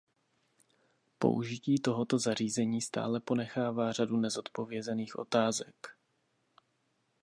Použití tohoto zařízení stále ponechává řadu nezodpovězených otázek.